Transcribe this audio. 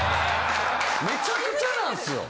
めちゃくちゃなんすよ。